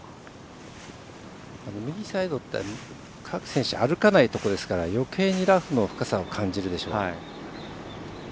右サイドって、各選手歩かないところですからよけいにラフの深さを感じるでしょうね。